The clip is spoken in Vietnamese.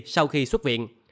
sau khi xuất viện